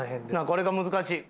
これが難しい。